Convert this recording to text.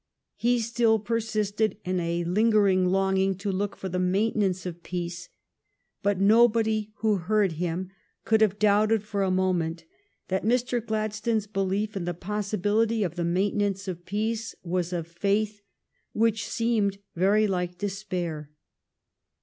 He still persisted in a lingering longing to look for the maintenance of peace, but nobody who heard him could have doubted for a moment that Mr. Gladstone's belief in the possibility of the maintenance of peace was a faith which seemed very like despair.